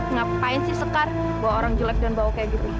ngapain sih sekar bawa orang jelek dan bawa kayak gitu